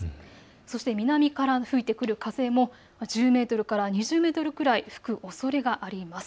そして南から吹いてくる風も１０メートルから２０メートルくらい吹くおそれがあります。